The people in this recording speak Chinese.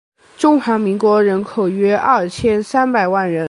中华民国人口约二千三百万人